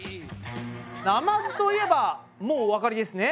ナマズといえばもうおわかりですね？